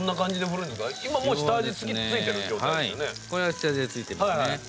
これは下味がついてますね。